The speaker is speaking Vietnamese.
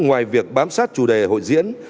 ngoài việc bám sát chủ đề hội diễn